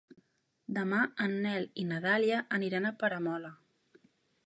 Demà en Nel i na Dàlia aniran a Peramola.